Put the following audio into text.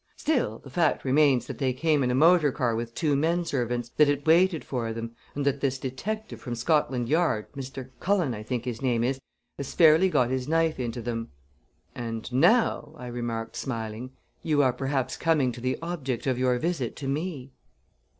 Still, the fact remains that they came in a motor car with two men servants; that it waited for them; and that this detective from Scotland Yard Mr. Cullen, I think his name is has fairly got his knife into them." "And now," I remarked, smiling, "you are perhaps coming to the object of your visit to me?"